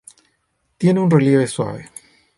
Tiene un relieve suave.